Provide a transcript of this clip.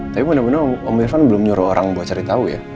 tapi bener bener om irvan belum nyuruh orang buat cari tau ya